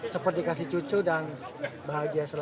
cepat dikasih cucu dan bahagia selalu